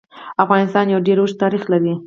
افغانستان يو ډير اوږد تاريخ لري.